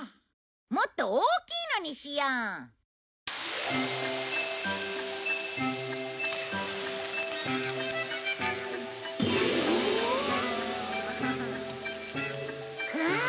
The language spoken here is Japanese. もっと大きいのにしよう。はむっ。